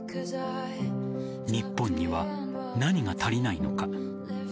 日本には何が足りないのか。